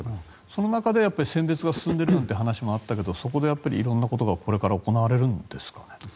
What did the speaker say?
その中で選別が進んでいるなんて話もあったけどそこで色んなことがこれから行われるんですか。